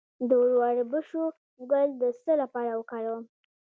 د وربشو ګل د څه لپاره وکاروم؟